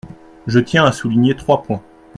Je tiens à souligner trois points.